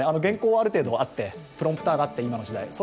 原稿はある程度はあってプロンプターがあって今の時代。